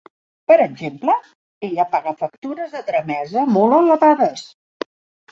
Per exemple, ella paga factures de tramesa molt elevades.